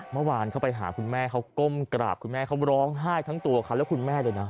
เมื่อวานเขาไปหาคุณแม่เขาก้มกราบคุณแม่เขาร้องไห้ทั้งตัวเขาและคุณแม่เลยนะ